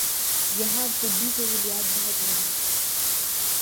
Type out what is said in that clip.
یہاں طبی سہولیات بہت مہنگی ہیں